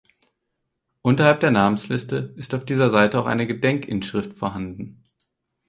Unterhalb der Namensliste ist auf dieser Seite auch eine Gedenkinschrift vorhanden.